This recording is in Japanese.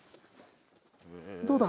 どうだ？